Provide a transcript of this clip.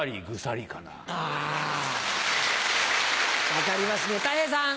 分かりますねたい平さん。